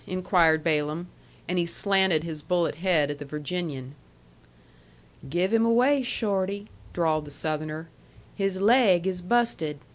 inquired Balaam. And he slanted his bullet head at the Virginian. "Give him away, Shorty," drawled the Southerner. "His laig is busted. Mr.